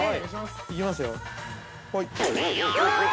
いきますよ。